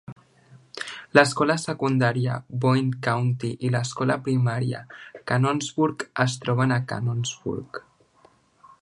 L'escola secundària Boyd County i l'escola primària Cannonsburg es troben a Cannonsburg.